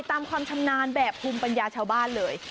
ความชำนาญแบบภูมิปัญญาชาวบ้านเลย